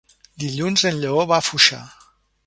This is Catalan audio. Dilluns en Lleó va a Foixà.